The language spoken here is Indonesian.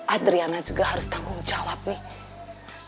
adriana juga harus tanggung jawab nih